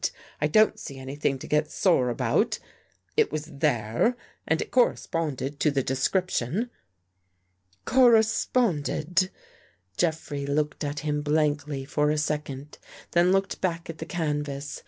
I don't see anything to get sore about. It was there and it corresponded to the description." " Corresponded .. Jeffrey looked at him ^blankly for a second then looked back at the canvas.